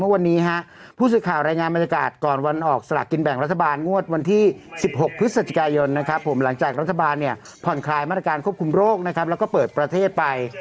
วันนี้ฮะผู้สื่อข่าวรายงานบรรยากาศก่อนวันออกสลักกินแบ่งรัฐบาลงวดวันที่๑๖พฤศจิกายนนะครับผมหลังจากรัฐบาลเนี่ยผ่อนคลายมาตรการควบคุมโรคนะครับแล้วก็เปิดประเทศไป